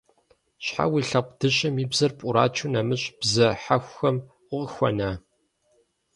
Щхьэ уи лъэпкъ дыщэм и бзэр пӀурачу нэмыщӀ бзэ хьэхухэм укъыхуэна?